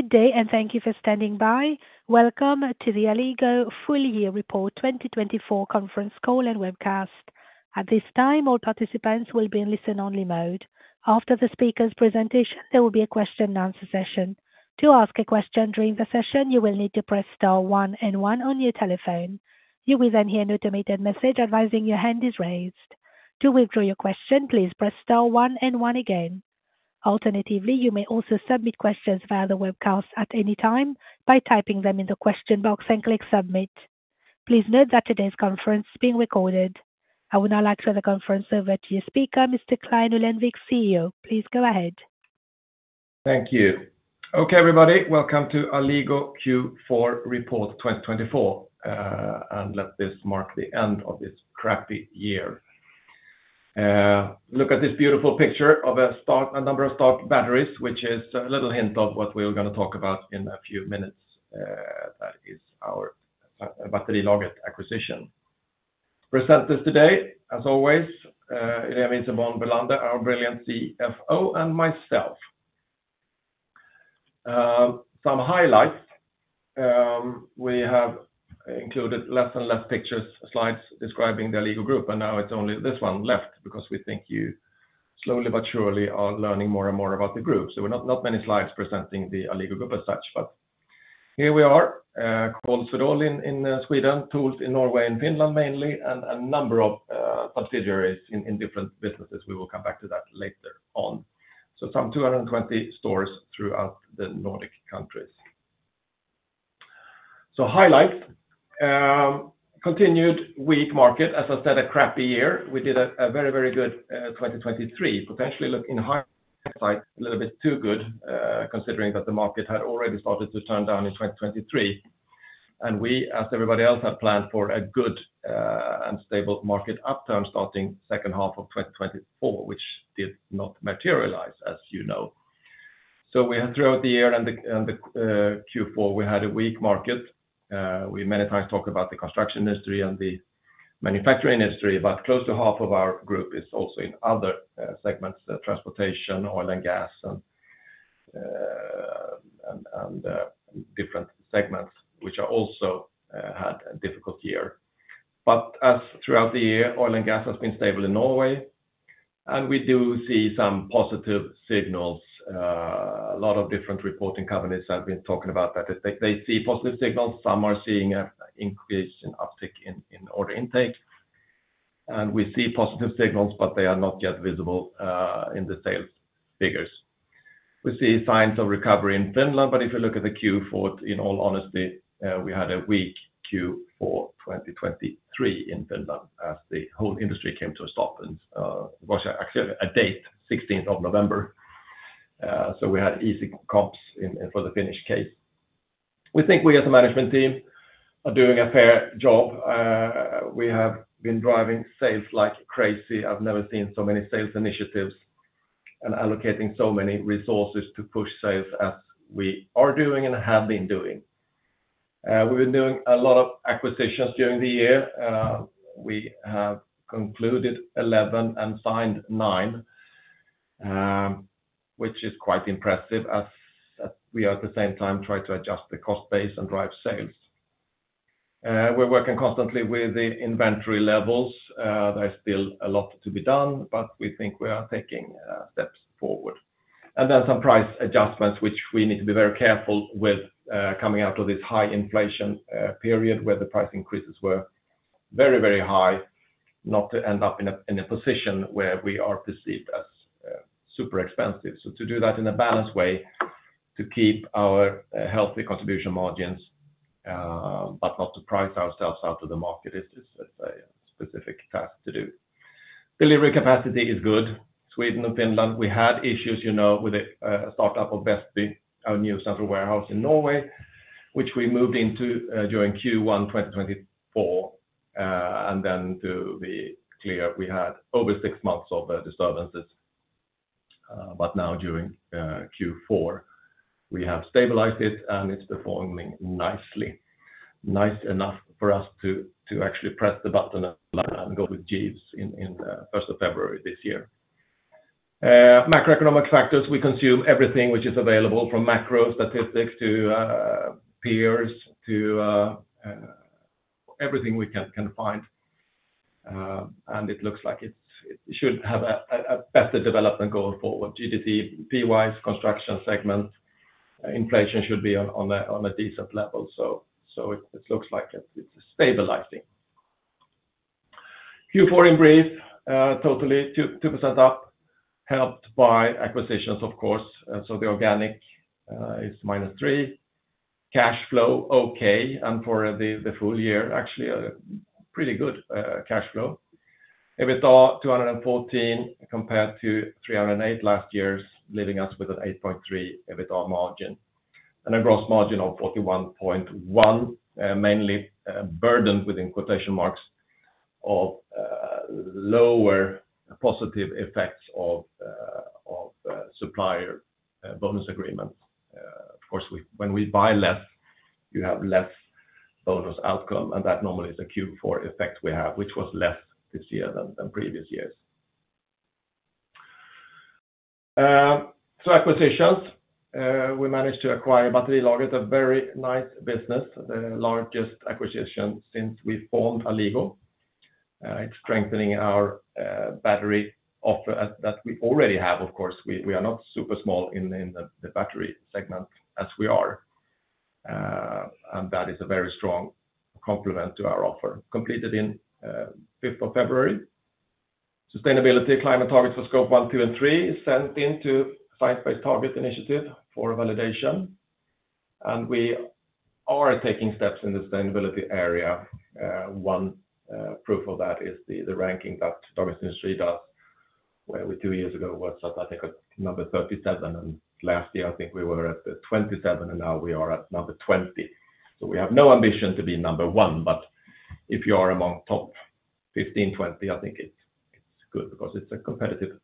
Good day, and thank you for standing by. Welcome to the Alligo Full Year Report 2024 Conference Call and Webcast. At this time, all participants will be in listen-only mode. After the speaker's presentation, there will be a question-and-answer session. To ask a question during the session, you will need to press star one and one on your telephone. You will then hear an automated message advising your hand is raised. To withdraw your question, please press star one and one again. Alternatively, you may also submit questions via the webcast at any time by typing them in the question box and click submit. Please note that today's conference is being recorded. I will now hand the conference over to your speaker, Mr. Clein Ullenvik, CEO. Please go ahead. Thank you. Okay, everybody, welcome to Alligo Q4 Report 2024. And let this mark the end of this crappy year. Look at this beautiful picture of a number of stock batteries, which is a little hint of what we're going to talk about in a few minutes. That is our Svenska Batterilagret acquisition. Presenters today, as always, Irene Bellander, our brilliant CFO, and myself. Some highlights. We have included less and less pictures, slides describing the Alligo Group, and now it's only this one left because we think you slowly but surely are learning more and more about the group. So not many slides presenting the Alligo Group as such, but here we are. Swedol in Sweden, TOOLS in Norway and Finland mainly, and a number of subsidiaries in different businesses. We will come back to that later on. So some 220 stores throughout the Nordic countries. So highlights. Continued weak market, as I said, a crappy year. We did a very, very good 2023, potentially looking a little bit too good considering that the market had already started to turn down in 2023, and we, as everybody else, had planned for a good and stable market upturn starting the second half of 2024, which did not materialize, as you know, so we had, throughout the year and the Q4, we had a weak market. We many times talk about the construction industry and the manufacturing industry, but close to half of our group is also in other segments, transportation, oil and gas, and different segments, which also had a difficult year, but as throughout the year, oil and gas has been stable in Norway, and we do see some positive signals. A lot of different reporting companies have been talking about that. They see positive signals. Some are seeing an increase in uptick in order intake. And we see positive signals, but they are not yet visible in the sales figures. We see signs of recovery in Finland, but if you look at the Q4, in all honesty, we had a weak Q4 2023 in Finland as the whole industry came to a stop, and it was actually a date, 16th of November. So we had easy comps for the Finnish case. We think we as a management team are doing a fair job. We have been driving sales like crazy. I've never seen so many sales initiatives and allocating so many resources to push sales as we are doing and have been doing. We've been doing a lot of acquisitions during the year. We have concluded 11 and signed nine, which is quite impressive as we at the same time try to adjust the cost base and drive sales. We're working constantly with the inventory levels. There's still a lot to be done, but we think we are taking steps forward, and then some price adjustments, which we need to be very careful with coming out of this high inflation period where the price increases were very, very high, not to end up in a position where we are perceived as super expensive, so to do that in a balanced way, to keep our healthy contribution margins, but not to price ourselves out of the market; it's a specific task to do. Delivery capacity is good. Sweden and Finland, we had issues, you know, with the startup of Vestby, our new central warehouse in Norway, which we moved into during Q1 2024. Then, to be clear, we had over six months of disturbances. But now during Q4, we have stabilized it and it's performing nicely. Nice enough for us to actually press the button and go with Jeeves in the first of February this year. Macroeconomic factors, we consume everything which is available from macro statistics to peers to everything we can find. And it looks like it should have a better development going forward. GDP-wise, construction segment, inflation should be on a decent level. So it looks like it's stabilizing. Q4 in brief, totally 2% up, helped by acquisitions, of course. So the organic is -3%. Cash flow, okay. And for the full year, actually pretty good cash flow. EBITDA 214 compared to 308 last year, leaving us with an 8.3% EBITDA margin. And a gross margin of 41.1%, mainly burdened with, in quotation marks, lower positive effects of supplier bonus agreements. Of course, when we buy less, you have less bonus outcome, and that normally is a Q4 effect we have, which was less this year than previous years. So acquisitions, we managed to acquire Svenska Batterilagret, a very nice business, the largest acquisition since we formed Alligo. It's strengthening our battery offer that we already have. Of course, we are not super small in the battery segment as we are. And that is a very strong complement to our offer. Completed in the fifth of February. Sustainability climate targets for Scope 1, 2, and 3 sent into Science Based Targets initiative for validation. And we are taking steps in the sustainability area. One proof of that is the ranking that the industry does, where we two years ago were at number 37, and last year I think we were at 27, and now we are at number 20. So we have no ambition to be number one, but if you are among top 15, 20, I think it's good because it's a competitive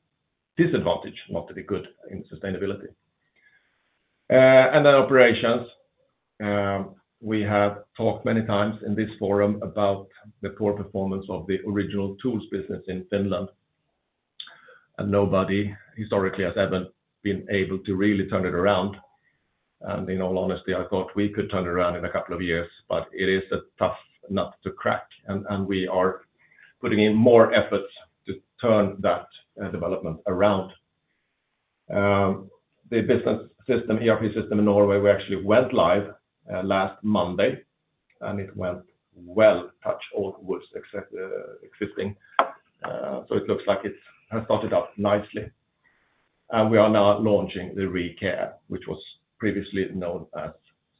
disadvantage not to be good in sustainability. And then operations. We have talked many times in this forum about the poor performance of the original tools business in Finland. And nobody historically has ever been able to really turn it around. And in all honesty, I thought we could turn it around in a couple of years, but it is a tough nut to crack, and we are putting in more efforts to turn that development around. The business system, ERP system in Norway, we actually went live last Monday, and it went well, touch wood, as expected. So it looks like it has started up nicely. And we are now launching the ReCare, which was previously known as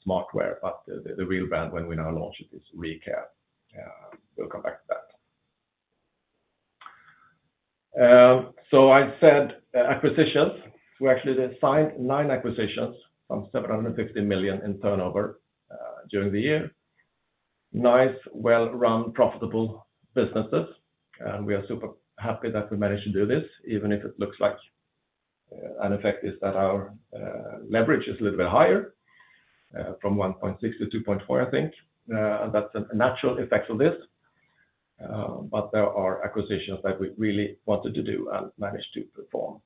SmartWear, but the real brand when we now launch it is ReCare. We'll come back to that. So I said acquisitions. We actually signed nine acquisitions from 750 million in turnover during the year. Nice, well-run, profitable businesses. And we are super happy that we managed to do this, even if it looks like an effect is that our leverage is a little bit higher, from 1.6-2.4, I think. That's a natural effect of this. But there are acquisitions that we really wanted to do and managed to perform.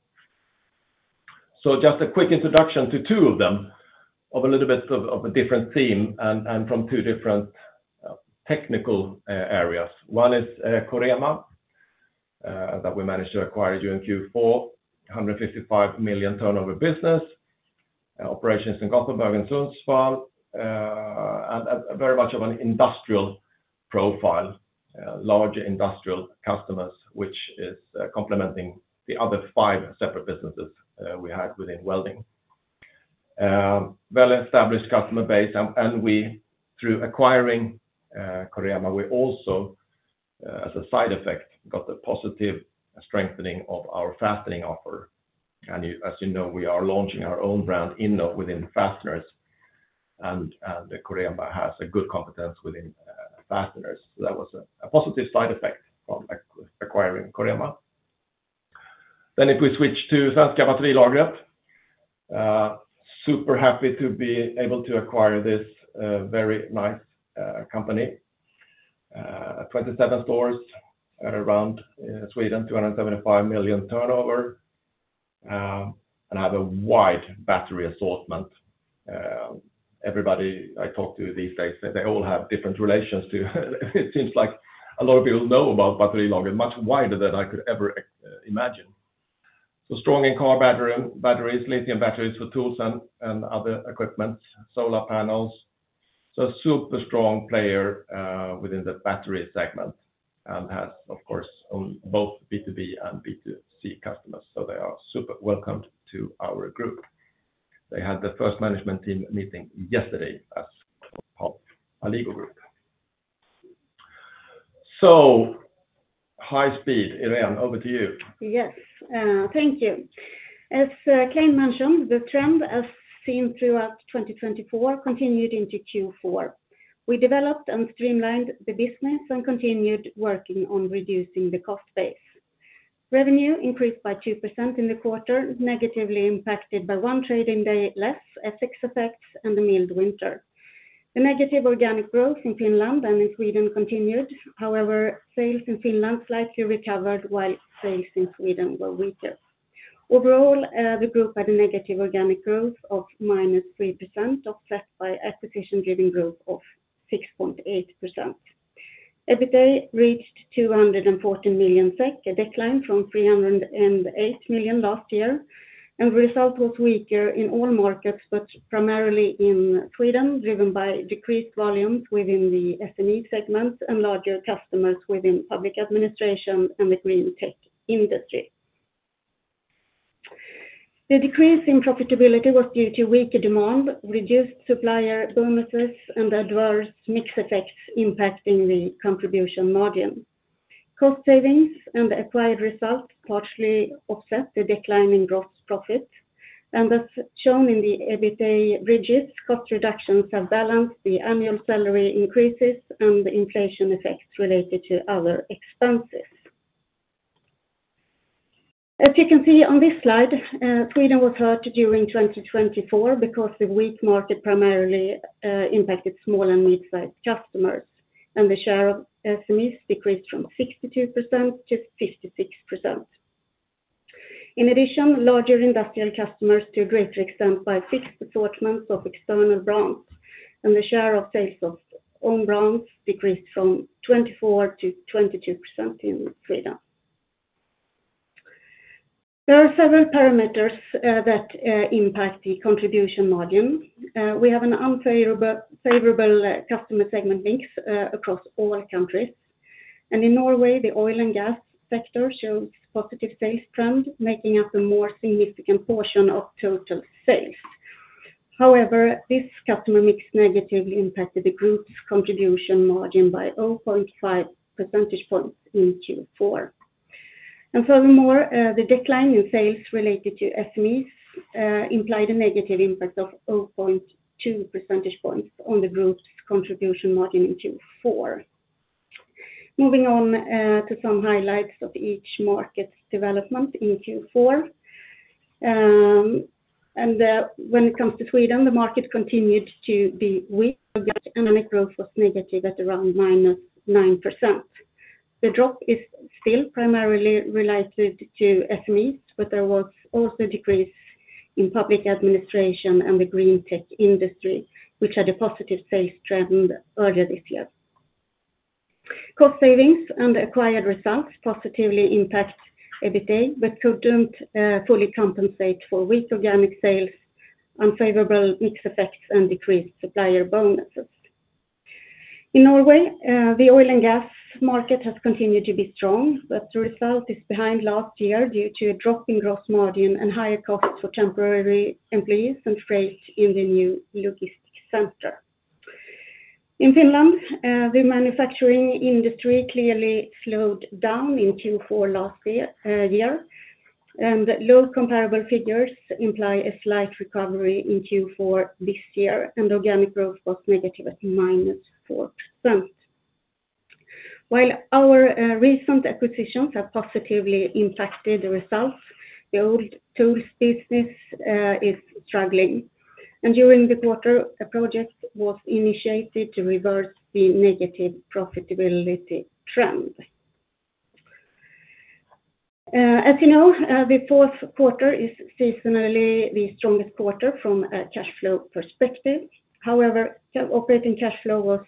So just a quick introduction to two of them, of a little bit of a different theme and from two different technical areas. One is Korema, that we managed to acquire during Q4, 155 million turnover business, operations in Gothenburg and Sundsvall, and very much of an industrial profile, large industrial customers, which is complementing the other five separate businesses we had within welding. Well-established customer base, and we, through acquiring Korema, we also, as a side effect, got the positive strengthening of our fastening offer. And as you know, we are launching our own brand in within fasteners, and Korema has a good competence within fasteners. So that was a positive side effect from acquiring Korema. Then if we switch to Svenska Batterilagret, super happy to be able to acquire this very nice company. 27 stores around Sweden, 275 million turnover, and have a wide battery assortment. Everybody I talk to these days, they all have different relations to. It seems like a lot of people know about Svenska Batterilagret, much wider than I could ever imagine. So strong in car batteries, lithium batteries for tools and other equipment, solar panels. So a super strong player within the battery segment and has, of course, both B2B and B2C customers. So they are super welcome to our group. They had the first management team meeting yesterday as part of Alligo Group. So high speed, Irene, over to you. Yes, thank you. As Clein mentioned, the trend as seen throughout 2024 continued into Q4. We developed and streamlined the business and continued working on reducing the cost base. Revenue increased by 2% in the quarter, negatively impacted by one trading day less, FX effects, and a mild winter. The negative organic growth in Finland and in Sweden continued. However, sales in Finland slightly recovered while sales in Sweden were weaker. Overall, the group had a negative organic growth of -3% offset by acquisition driven growth of 6.8%. EBITDA reached 214 million SEK, a decline from 308 million last year, and the result was weaker in all markets, but primarily in Sweden, driven by decreased volumes within the SME segments and larger customers within public administration and the green tech industry. The decrease in profitability was due to weaker demand, reduced supplier bonuses, and adverse mix effects impacting the contribution margin. Cost savings and the acquired result partially offset the decline in gross profit, and as shown in the EBITDA digits, cost reductions have balanced the annual salary increases and the inflation effects related to other expenses. As you can see on this slide, Sweden was hurt during 2024 because the weak market primarily impacted small and mid-sized customers, and the share of SMEs decreased from 62% to 56%. In addition, larger industrial customers to a greater extent by fixed assortments of external brands, and the share of sales of own brands decreased from 24% to 22% in Sweden. There are several parameters that impact the contribution margin. We have an unfavorable customer segment mix across all countries. In Norway, the oil and gas sector shows a positive sales trend, making up a more significant portion of total sales. However, this customer mix negatively impacted the group's contribution margin by 0.5 percentage points in Q4. And furthermore, the decline in sales related to SMEs implied a negative impact of 0.2 percentage points on the group's contribution margin in Q4. Moving on to some highlights of each market's development in Q4. And when it comes to Sweden, the market continued to be weak, and the net growth was negative at around -9%. The drop is still primarily related to SMEs, but there was also a decrease in public administration and the green tech industry, which had a positive sales trend earlier this year. Cost savings and acquired results positively impact EBITDA, but couldn't fully compensate for weak organic sales, unfavorable mix effects, and decreased supplier bonuses. In Norway, the oil and gas market has continued to be strong, but the result is behind last year due to a drop in gross margin and higher costs for temporary employees and freight in the new logistics center. In Finland, the manufacturing industry clearly slowed down in Q4 last year, and low comparable figures imply a slight recovery in Q4 this year, and organic growth was negative at -4%. While our recent acquisitions have positively impacted the results, the old tools business is struggling. And during the quarter, a project was initiated to reverse the negative profitability trend. As you know, the fourth quarter is seasonally the strongest quarter from a cash flow perspective. However, operating cash flow was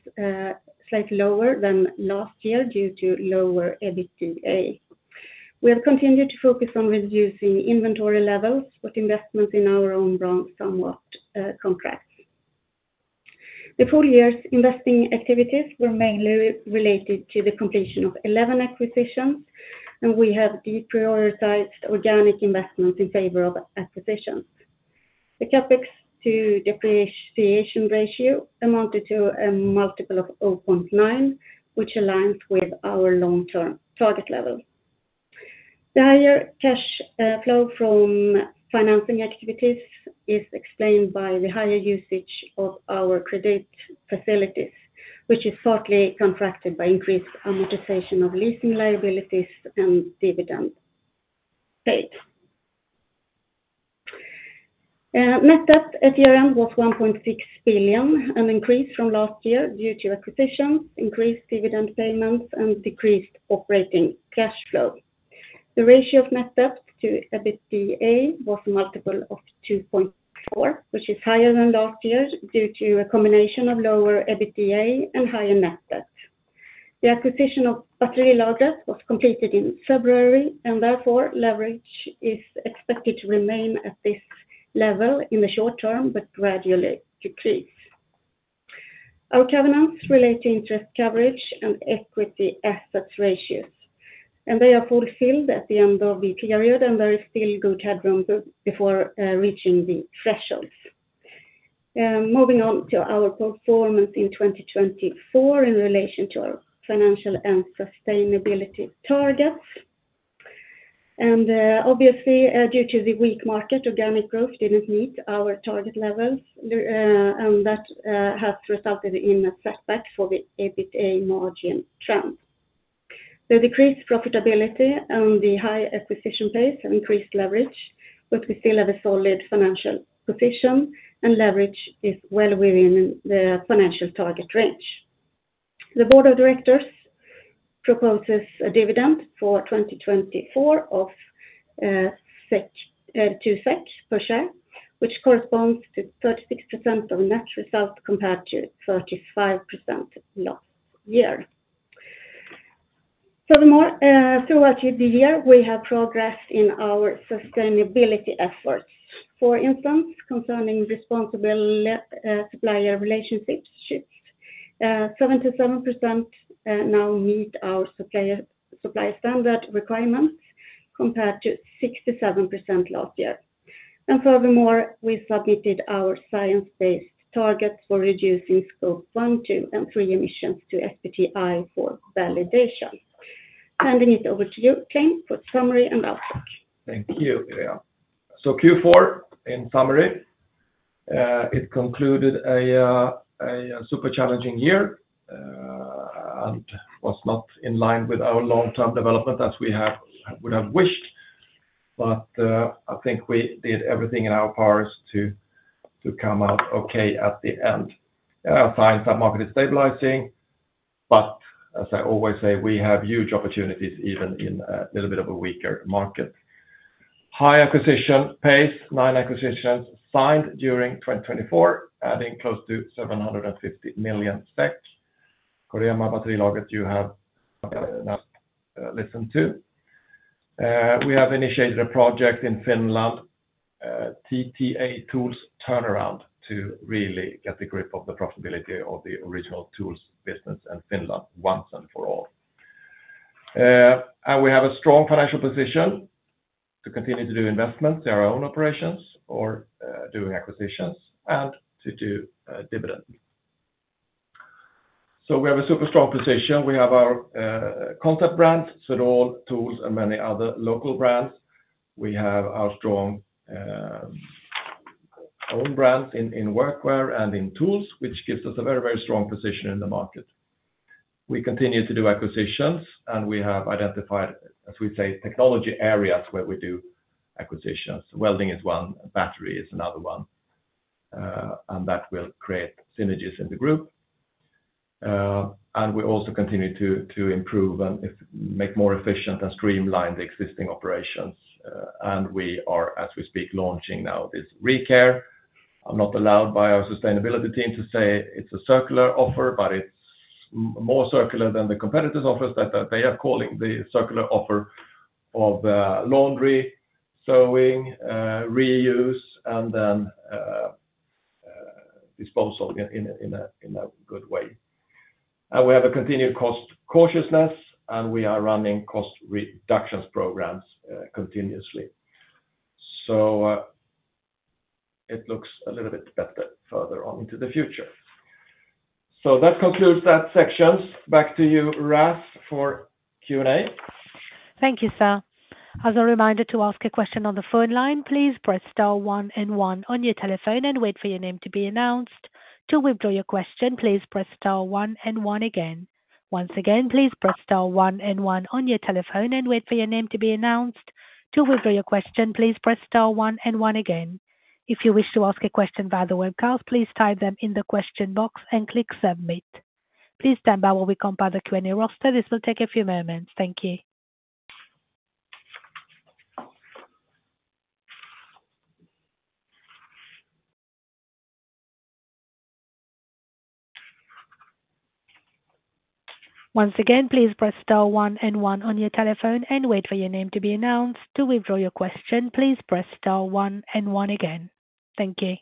slightly lower than last year due to lower EBITDA. We have continued to focus on reducing inventory levels, but investments in our own brands somewhat contracted. The full year's investing activities were mainly related to the completion of 11 acquisitions, and we have deprioritized organic investments in favor of acquisitions. The CapEx to depreciation ratio amounted to a multiple of 0.9, which aligns with our long-term target level. The higher cash flow from financing activities is explained by the higher usage of our credit facilities, which is partly contracted by increased amortization of leasing liabilities and dividend paid. Net debt at year-end was 1.6 billion, an increase from last year due to acquisitions, increased dividend payments, and decreased operating cash flow. The ratio of net debt to EBITDA was a multiple of 2.4, which is higher than last year due to a combination of lower EBITDA and higher net debt. The acquisition of Svenska Batterilagret was completed in February, and therefore leverage is expected to remain at this level in the short term, but gradually decrease. Our covenants relate to interest coverage and equity assets ratios, and they are fulfilled at the end of the period, and there is still good headroom before reaching the thresholds. Moving on to our performance in 2024 in relation to our financial and sustainability targets. And obviously, due to the weak market, organic growth didn't meet our target levels, and that has resulted in a setback for the EBITDA margin trend. The decreased profitability and the high acquisition pace have increased leverage, but we still have a solid financial position, and leverage is well within the financial target range. The board of directors proposes a dividend for 2024 of 2 SEK per share, which corresponds to 36% of net result compared to 35% last year. Furthermore, throughout the year, we have progressed in our sustainability efforts. For instance, concerning responsible supplier relationships, 77% now meet our supplier standard requirements compared to 67% last year, and furthermore, we submitted our science-based targets for reducing Scope 1, 2, and 3 emissions to SBTi for validation. Handing it over to you, Clein, for a summary and outlook. Thank you, Irene. So Q4, in summary, it concluded a super challenging year and was not in line with our long-term development as we would have wished. But I think we did everything in our powers to come out okay at the end. I find that market is stabilizing, but as I always say, we have huge opportunities even in a little bit of a weaker market. High acquisition pace, nine acquisitions signed during 2024, adding close to 750 million SEK. Korema, Svenska Batterilagret, you have now listened to. We have initiated a project in Finland, TTA tools turnaround, to really get the grip of the profitability of the original tools business in Finland once and for all. And we have a strong financial position to continue to do investments in our own operations or doing acquisitions and to do dividends. So we have a super strong position. We have our concept brand, Swedol, TOOLS, and many other local brands. We have our strong own brands in workwear and in tools, which gives us a very, very strong position in the market. We continue to do acquisitions, and we have identified, as we say, technology areas where we do acquisitions. Welding is one, battery is another one, and that will create synergies in the group. And we also continue to improve and make more efficient and streamline the existing operations. And we are, as we speak, launching now this ReCare. I'm not allowed by our sustainability team to say it's a circular offer, but it's more circular than the competitors' offers that they are calling the circular offer of laundry, sewing, reuse, and then disposal in a good way. And we have a continued cost cautiousness, and we are running cost reductions programs continuously. So it looks a little bit better further on into the future. So that concludes that section. Back to you, Ros, for Q&A. Thank you, Sir. As a reminder to ask a question on the phone line, please press star one and one on your telephone and wait for your name to be announced. To withdraw your question, please press star one and one again. Once again, please press star one and one on your telephone and wait for your name to be announced. To withdraw your question, please press star one and one again. If you wish to ask a question via the webcast, please type them in the question box and click submit. Please stand by while we compile the Q&A roster. This will take a few moments. Thank you. Once again, please press star one and one on your telephone and wait for your name to be announced. To withdraw your question, please press star one and one again. Thank you.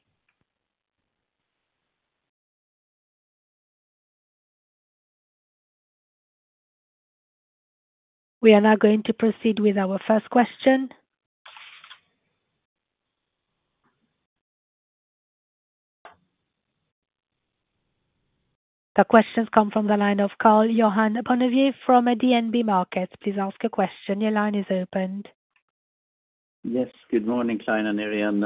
We are now going to proceed with our first question. The questions come from the line of Karl-Johan Bonnevier from DNB Markets. Please ask a question. Your line is opened. Yes, good morning, Clein and Irene.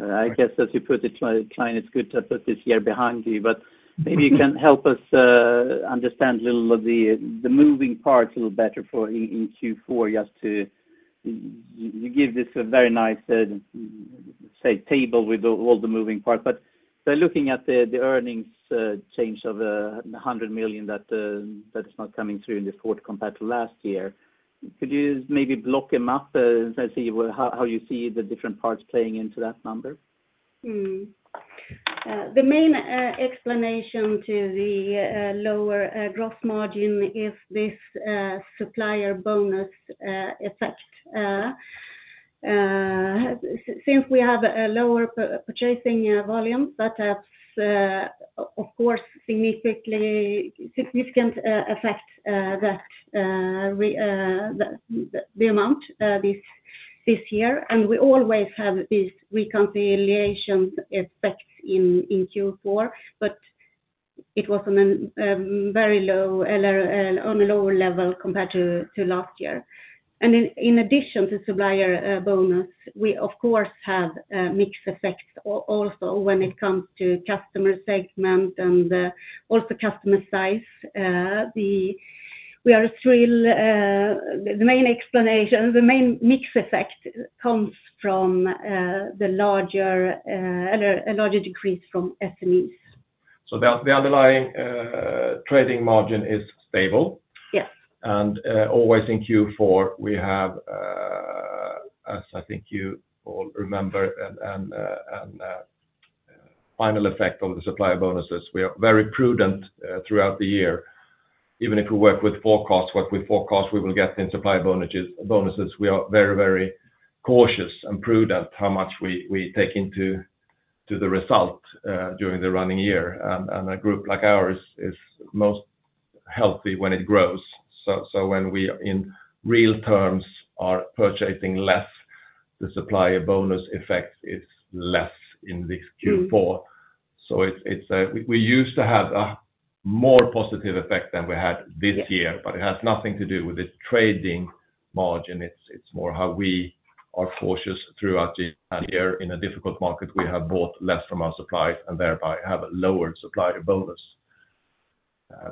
I guess, as you put it, Clein, it's good to put this year behind you, but maybe you can help us understand a little of the moving parts a little better for in Q4 just to give this a very nice, say, table with all the moving parts. But looking at the earnings change of 100 million that is not coming through in the fourth quarter compared to last year, could you maybe block them up and see how you see the different parts playing into that number? The main explanation to the lower gross margin is this supplier bonus effect. Since we have a lower purchasing volume, that has, of course, significant effect on the amount this year, and we always have these reconciliation effects in Q4, but it was on a very low level compared to last year, and in addition to supplier bonus, we, of course, have mixed effects also when it comes to customer segment and also customer size. We are still the main explanation. The main mix effect comes from the larger decrease from SMEs. The underlying trading margin is stable. Yes. Always in Q4, we have, as I think you all remember, the final effect of the supplier bonuses. We are very prudent throughout the year. Even if we work with forecasts, what we forecast we will get in supplier bonuses. We are very, very cautious and prudent how much we take into the result during the running year. A group like ours is most healthy when it grows. When we in real terms are purchasing less, the supplier bonus effect is less in this Q4. We used to have a more positive effect than we had this year, but it has nothing to do with the trading margin. It's more how we are cautious throughout the year. In a difficult market, we have bought less from our suppliers and thereby have a lowered supplier bonus.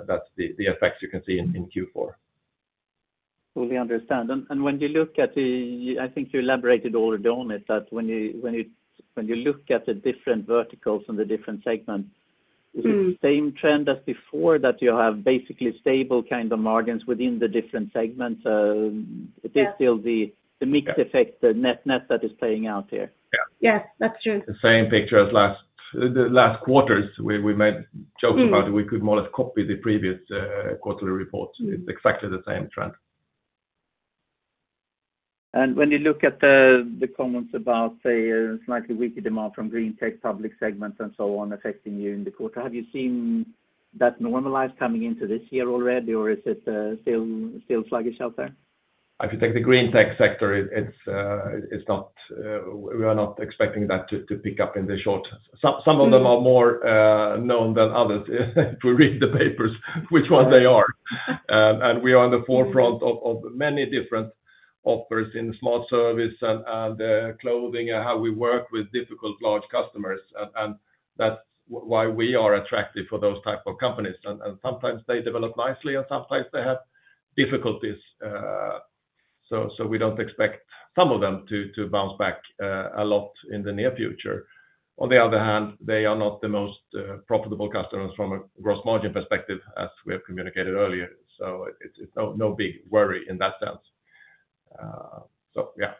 That's the effects you can see in Q4. Fully understand. And when you look at the, I think you elaborated all on it, that when you look at the different verticals and the different segments, is it the same trend as before that you have basically stable kind of margins within the different segments? It is still the mixed effect, the net net that is playing out here. Yes, that's true. The same picture as last quarters. We made jokes about it. We could more or less copy the previous quarterly reports. It's exactly the same trend. When you look at the comments about, say, slightly weaker demand from green tech public segments and so on affecting you in the quarter, have you seen that normalize coming into this year already, or is it still sluggish out there? If you take the green tech sector, we are not expecting that to pick up in the short term. Some of them are more known than others if we read the papers, which one they are. And we are on the forefront of many different offers in smart service and clothing and how we work with difficult large customers. And that's why we are attractive for those types of companies. And sometimes they develop nicely, and sometimes they have difficulties. So we don't expect some of them to bounce back a lot in the near future. On the other hand, they are not the most profitable customers from a gross margin perspective, as we have communicated earlier. So it's no big worry in that sense. So yeah.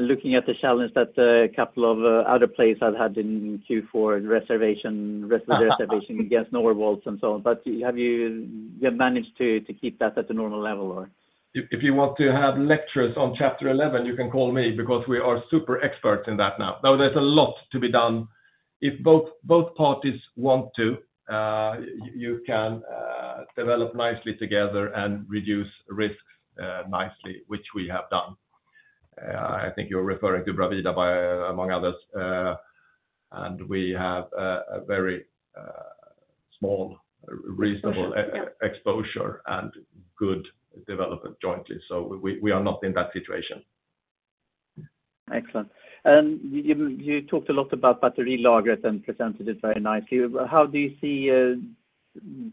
Looking at the challenge that a couple of other players have had in Q4, reservation against Northvolt and so on, but have you managed to keep that at a normal level or? If you want to have lectures on Chapter 11, you can call me because we are super experts in that now. Now, there's a lot to be done. If both parties want to, you can develop nicely together and reduce risks nicely, which we have done. I think you're referring to Bravida, among others. And we have a very small reasonable exposure and good development jointly, so we are not in that situation. Excellent. And you talked a lot about Svenska Batterilagret and presented it very nicely. How do you see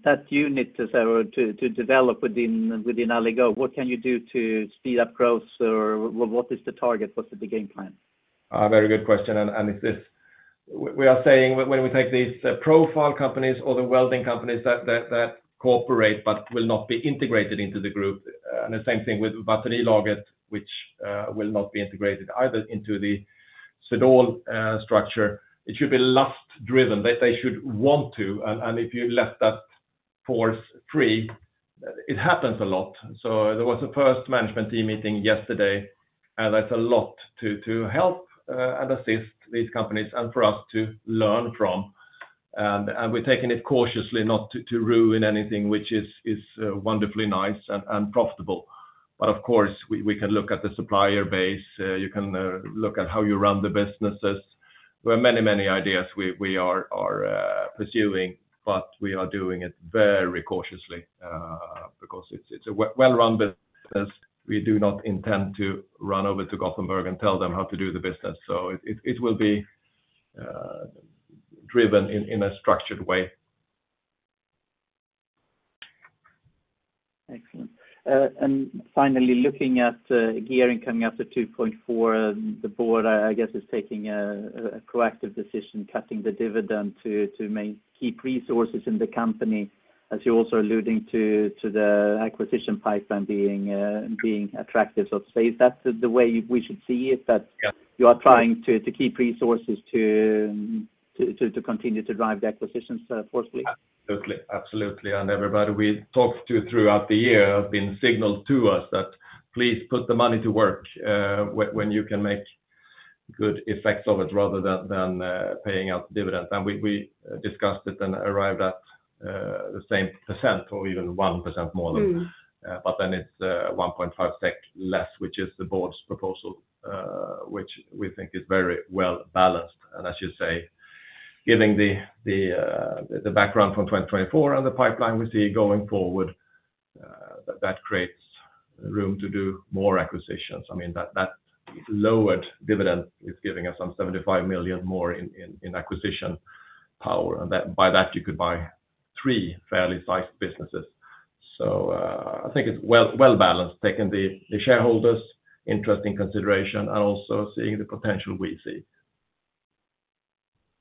that unit to develop within Alligo? What can you do to speed up growth, or what is the target? What's the game plan? Very good question. And we are saying when we take these profile companies or the welding companies that cooperate but will not be integrated into the group, and the same thing with Svenska Batterilagret, which will not be integrated either into the Swedol structure. It should be self-driven. They should want to. And if you let that force free, it happens a lot. So there was a first management team meeting yesterday, and that's a lot to help and assist these companies and for us to learn from. And we're taking it cautiously not to ruin anything, which is wonderfully nice and profitable. But of course, we can look at the supplier base. You can look at how you run the businesses. There are many, many ideas we are pursuing, but we are doing it very cautiously because it's a well-run business. We do not intend to run over to Gothenburg and tell them how to do the business, so it will be driven in a structured way. Excellent. And finally, looking at gearing coming after 2.4, the board, I guess, is taking a proactive decision, cutting the dividend to keep resources in the company, as you also alluding to the acquisition pipeline being attractive. So to say, is that the way we should see it, that you are trying to keep resources to continue to drive the acquisitions forcefully? Absolutely. Absolutely. And everybody we talked to throughout the year has been signaled to us that please put the money to work when you can make good effects of it rather than paying out dividends. And we discussed it and arrived at the same % or even 1% more. But then it's 1.5% less, which is the board's proposal, which we think is very well balanced. And as you say, given the background from 2024 and the pipeline we see going forward, that creates room to do more acquisitions. I mean, that lowered dividend is giving us some 75 million more in acquisition power. And by that, you could buy three fairly sized businesses. So I think it's well balanced, taking the shareholders' interest in consideration and also seeing the potential we see.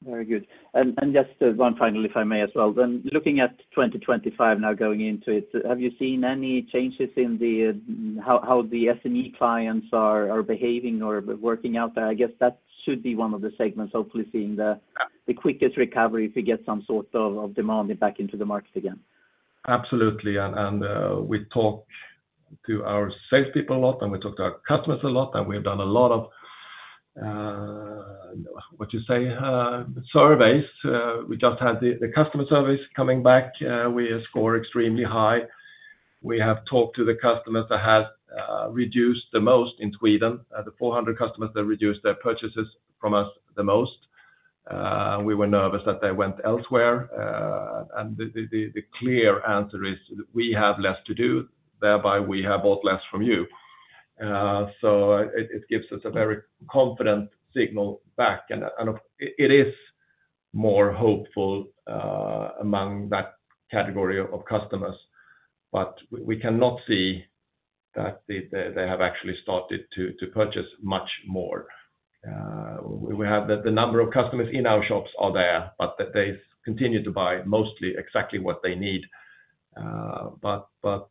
Very good. And just one final, if I may as well. Then looking at 2025 now going into it, have you seen any changes in how the SME clients are behaving or working out there? I guess that should be one of the segments, hopefully seeing the quickest recovery if we get some sort of demand back into the market again. Absolutely. And we talk to our salespeople a lot, and we talk to our customers a lot, and we have done a lot of, what you say, surveys. We just had the customer surveys coming back. We score extremely high. We have talked to the customers that have reduced the most in Sweden, the 400 customers that reduced their purchases from us the most. We were nervous that they went elsewhere. And the clear answer is we have less to do, thereby we have bought less from you. So it gives us a very confident signal back. And it is more hopeful among that category of customers. But we cannot see that they have actually started to purchase much more. We have the number of customers in our shops are there, but they continue to buy mostly exactly what they need. But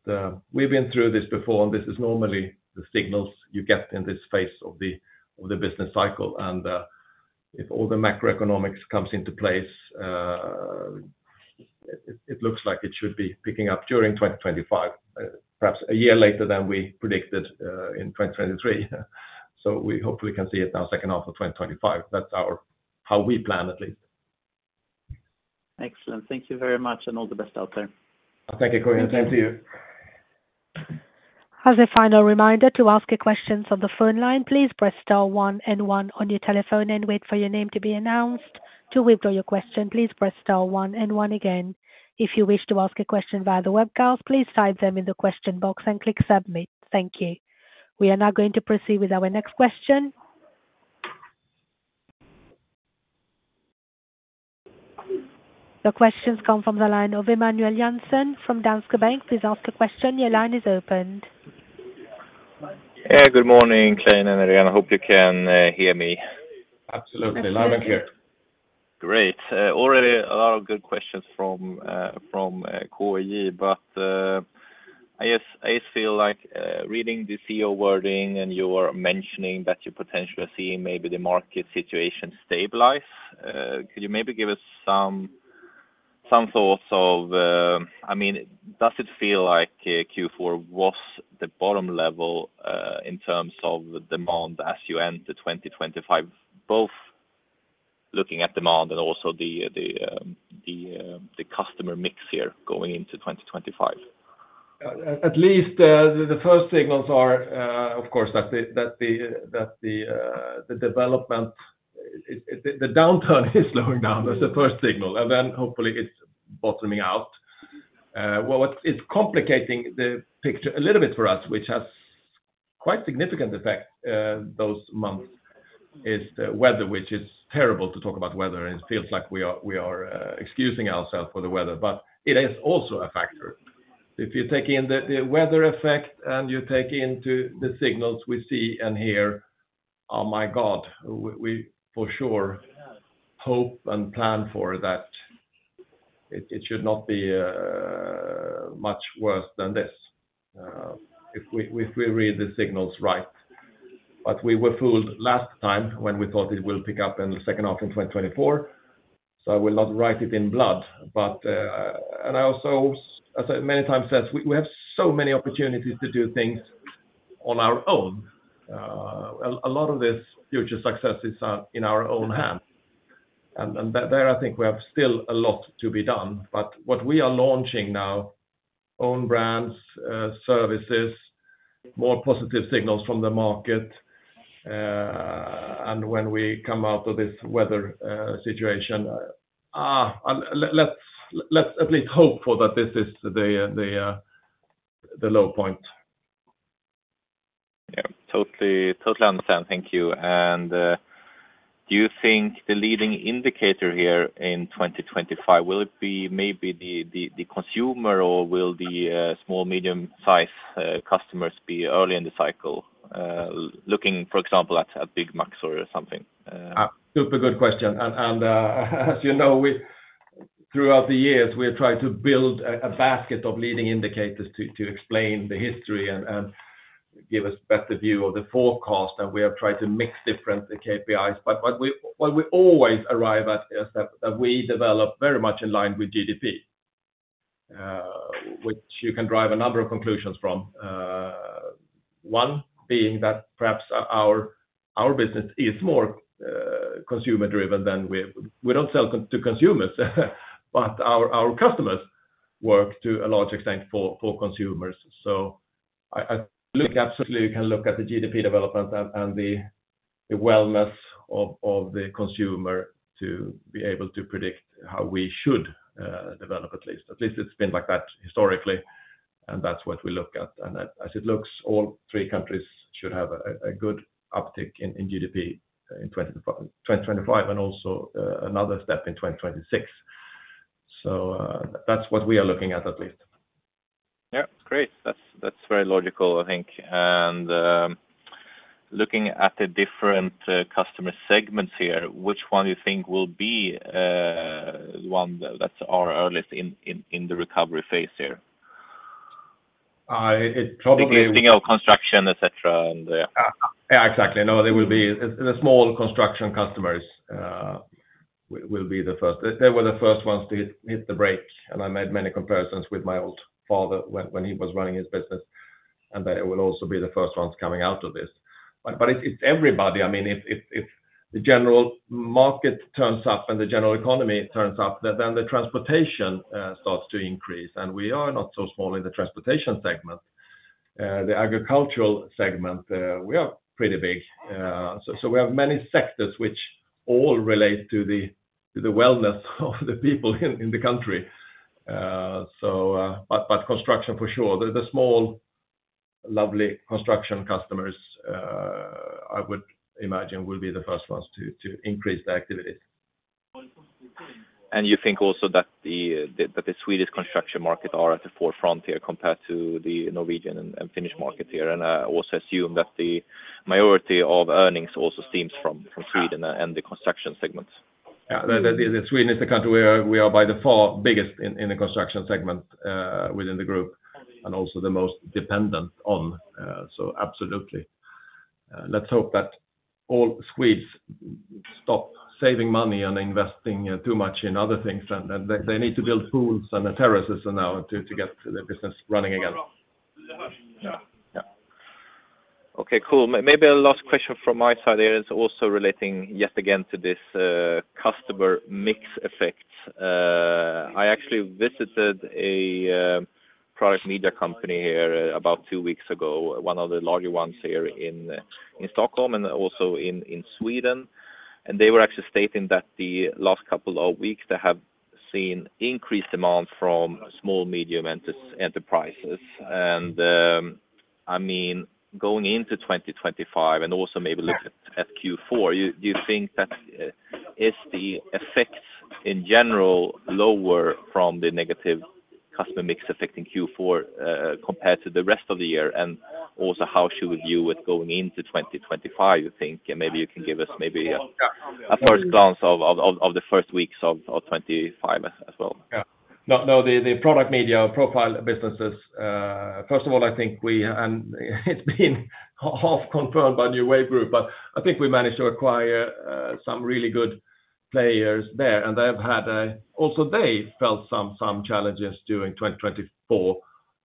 we've been through this before, and this is normally the signals you get in this phase of the business cycle. And if all the macroeconomics comes into place, it looks like it should be picking up during 2025, perhaps a year later than we predicted in 2023. So we hopefully can see it now, second half of 2025. That's how we plan, at least. Excellent. Thank you very much and all the best out there. Thank you, Karl-Johan. Same to you. As a final reminder to ask a question on the phone line, please press star one and one on your telephone and wait for your name to be announced. To withdraw your question, please press star one and one again. If you wish to ask a question via the webcast, please type them in the question box and click submit. Thank you. We are now going to proceed with our next question. The questions come from the line of Emanuel Jansson from Danske Bank. Please ask a question. Your line is open. Hey, good morning, Clein and Irene. I hope you can hear me. Absolutely. Live and clear. Great. Already a lot of good questions from K-J, but I just feel like reading the CEO wording and you are mentioning that you potentially are seeing maybe the market situation stabilize. Could you maybe give us some thoughts of, I mean, does it feel like Q4 was the bottom level in terms of demand as you enter 2025, both looking at demand and also the customer mix here going into 2025? At least the first signals are, of course, that the development, the downturn is slowing down as the first signal, and then hopefully it's bottoming out. What is complicating the picture a little bit for us, which has quite significant effect those months, is the weather, which is terrible to talk about weather. It feels like we are excusing ourselves for the weather, but it is also a factor. If you take in the weather effect and you take into the signals we see and hear, oh my God, we for sure hope and plan for that it should not be much worse than this if we read the signals right. But we were fooled last time when we thought it will pick up in the second half in 2024. So I will not write it in blood. And I also, as I many times said, we have so many opportunities to do things on our own. A lot of this future success is in our own hands. And there, I think we have still a lot to be done. But what we are launching now, own brands, services, more positive signals from the market. And when we come out of this weather situation, let's at least hope for that this is the low point. Yeah, totally understand. Thank you. And do you think the leading indicator here in 2025 will it be maybe the consumer or will the small, medium-sized customers be early in the cycle looking, for example, at Byggmax or something? Super good question, and as you know, throughout the years, we have tried to build a basket of leading indicators to explain the history and give us a better view of the forecast, and we have tried to mix different KPIs, but what we always arrive at is that we develop very much in line with GDP, which you can draw a number of conclusions from. One being that perhaps our business is more consumer-driven though we don't sell to consumers, but our customers work to a large extent for consumers, so I think absolutely you can look at the GDP development and the welfare of the consumer to be able to predict how we should develop at least. At least it's been like that historically, and that's what we look at. As it looks, all three countries should have a good uptick in GDP in 2025 and also another step in 2026. That's what we are looking at least. Yeah, great. That's very logical, I think. And looking at the different customer segments here, which one do you think will be the one that's our earliest in the recovery phase here? It probably. Thinking of construction, etc. Yeah, exactly. No, there will be the small construction customers will be the first. They were the first ones to hit the brake. And I made many comparisons with my old father when he was running his business. And they will also be the first ones coming out of this. But it's everybody. I mean, if the general market turns up and the general economy turns up, then the transportation starts to increase. And we are not so small in the transportation segment. The agricultural segment, we are pretty big. So we have many sectors which all relate to the wellness of the people in the country. But construction for sure. The small, lovely construction customers, I would imagine, will be the first ones to increase the activities. You think also that the Swedish construction markets are at the forefront here compared to the Norwegian and Finnish markets here? I also assume that the majority of earnings also stems from Sweden and the construction segments. Yeah, Sweden is the country where we are by far the biggest in the construction segment within the group and also the most dependent on, so absolutely. Let's hope that all Swedes stop saving money and investing too much in other things, and they need to build pools and terraces now to get the business running again. Okay, cool. Maybe a last question from my side here is also relating yet again to this customer mix effect. I actually visited a product media company here about two weeks ago, one of the larger ones here in Stockholm and also in Sweden. And they were actually stating that the last couple of weeks, they have seen increased demand from small, medium enterprises. And I mean, going into 2025 and also maybe looking at Q4, do you think that is the effect in general lower from the negative customer mix affecting Q4 compared to the rest of the year? And also how should we view it going into 2025, you think? And maybe you can give us maybe a first glance of the first weeks of 2025 as well. Yeah. No, the product media profile businesses, first of all, I think we have been half confirmed by New Wave Group, but I think we managed to acquire some really good players there. And they have had also they felt some challenges during 2024,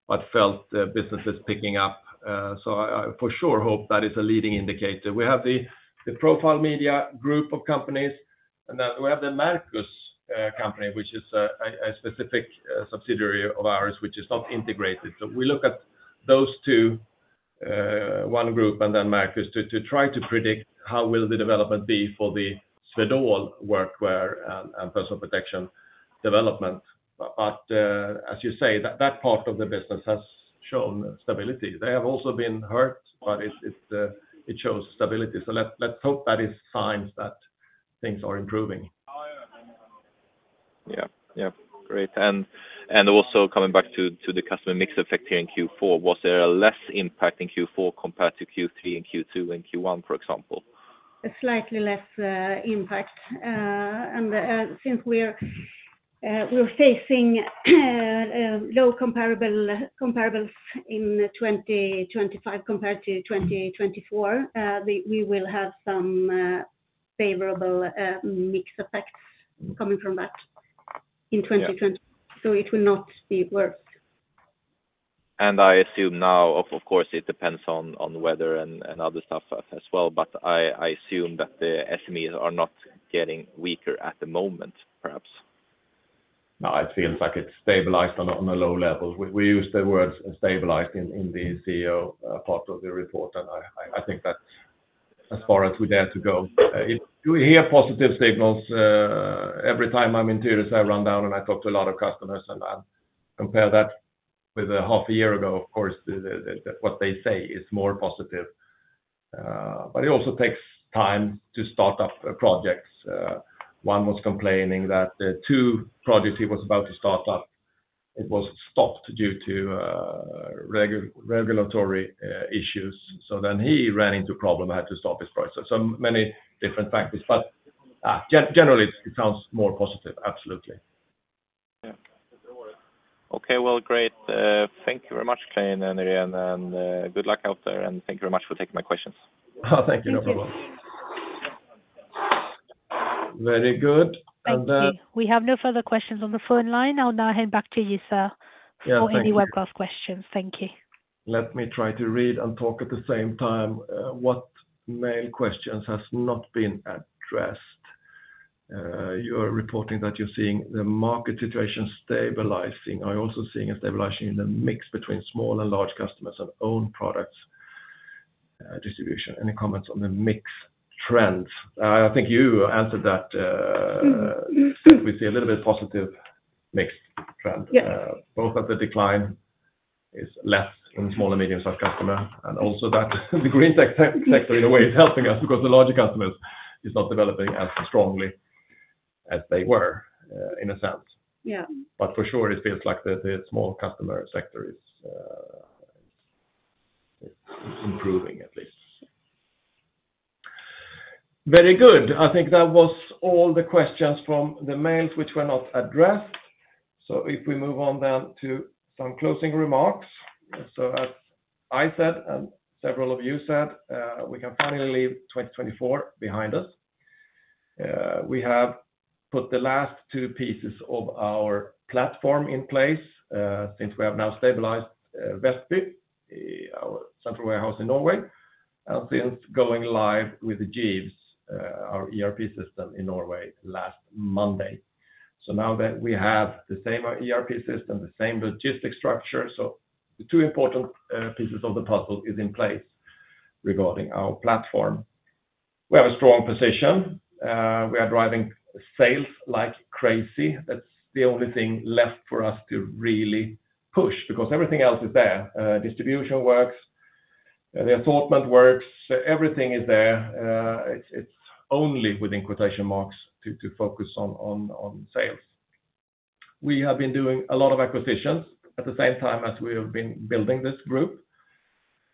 but felt the business is picking up. So I for sure hope that is a leading indicator. We have the profile media group of companies, and then we have the Mercus company, which is a specific subsidiary of ours, which is not integrated. So we look at those two, one group and then Mercus, to try to predict how will the development be for the Swedol workwear and personal protection development. But as you say, that part of the business has shown stability. They have also been hurt, but it shows stability. So let's hope that is signs that things are improving. Yeah, yeah. Great. And also coming back to the customer mix effect here in Q4, was there a less impact in Q4 compared to Q3 and Q2 and Q1, for example? A slightly less impact. And since we're facing low comparables in 2025 compared to 2024, we will have some favorable mix effects coming from that in 2020. So it will not be worse. And I assume now, of course, it depends on weather and other stuff as well. But I assume that the SMEs are not getting weaker at the moment, perhaps. No, it feels like it's stabilized on a low level. We used the word stabilized in the CEO part of the report, and I think that's as far as we dare to go. You hear positive signals. Every time I'm in stores, I run down and I talk to a lot of customers, and I compare that with a half a year ago, of course, what they say is more positive. But it also takes time to start up projects. One was complaining that the two projects he was about to start up, it was stopped due to regulatory issues. So then he ran into a problem and had to stop his projects. So many different factors. But generally, it sounds more positive. Absolutely. Yeah. Okay, well, great. Thank you very much, Clein and Irene. And good luck out there. And thank you very much for taking my questions. Thank you. No problem. Very good. Thank you. We have no further questions on the phone line. I'll now hand back to you, sir, for any webcast questions. Thank you. Let me try to read and talk at the same time. What main questions have not been addressed? You're reporting that you're seeing the market situation stabilizing. Are you also seeing a stabilization in the mix between small and large customers and own products distribution? Any comments on the mix trends? I think you answered that. We see a little bit of positive mix trend. Both of the decline is less in small and medium-sized customers. And also that the green tech sector, in a way, is helping us because the larger customers are not developing as strongly as they were, in a sense. But for sure, it feels like the small customer sector is improving, at least. Very good. I think that was all the questions from the mails, which were not addressed. So if we move on then to some closing remarks. So as I said and several of you said, we can finally leave 2024 behind us. We have put the last two pieces of our platform in place since we have now stabilized Vestby, our central warehouse in Norway, and since going live with the Jeeves, our ERP system in Norway last Monday. So now that we have the same ERP system, the same logistics structure, so the two important pieces of the puzzle are in place regarding our platform. We have a strong position. We are driving sales like crazy. That's the only thing left for us to really push because everything else is there. Distribution works. The assortment works. Everything is there. It's only within quotation marks to focus on sales. We have been doing a lot of acquisitions at the same time as we have been building this group,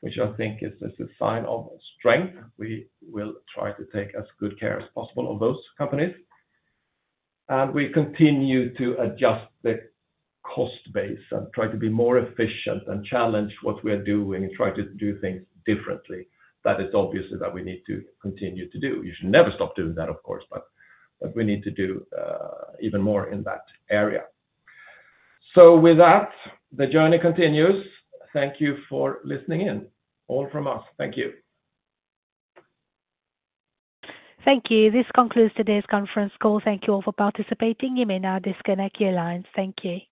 which I think is a sign of strength. We will try to take as good care as possible of those companies. And we continue to adjust the cost base and try to be more efficient and challenge what we are doing and try to do things differently. That it's obvious that we need to continue to do. You should never stop doing that, of course, but we need to do even more in that area. So with that, the journey continues. Thank you for listening in. All from us. Thank you. Thank you. This concludes today's conference call. Thank you all for participating. You may now disconnect your lines. Thank you.